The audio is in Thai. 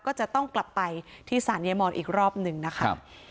ก็จะต้องกลับไปที่ศาลยายมอนอีกรอบหนึ่งนะคะ